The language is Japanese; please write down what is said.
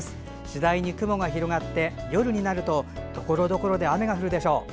次第に雲が広がって、夜になるとところどころで雨が降るでしょう。